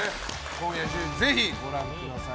今夜１０時ぜひご覧ください。